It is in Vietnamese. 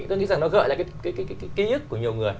tôi nghĩ rằng nó gợi lại cái ký ức của nhiều người